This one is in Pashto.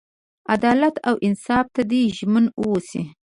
عدالت او انصاف ته دې ژمن ووسي.